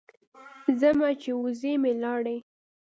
ځمه چې وزې مې لاړې.